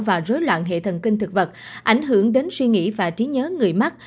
và rối loạn hệ thần kinh thực vật ảnh hưởng đến suy nghĩ và trí nhớ người mắc